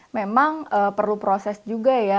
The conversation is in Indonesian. memang perlu proses juga ya